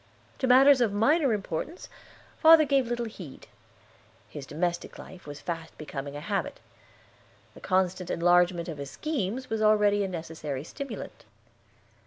To matters of minor importance father gave little heed; his domestic life was fast becoming a habit. The constant enlargement of his schemes was already a necessary stimulant.